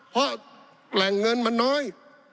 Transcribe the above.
เพราะแหล่งเงินมันน้อย